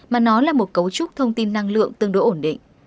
mà nó là một cấu trúc thông tin năng lượng tương đối ổn định